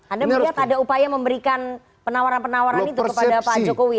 anda melihat ada upaya memberikan penawaran penawaran itu kepada pak jokowi